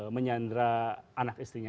menyendra anak istrinya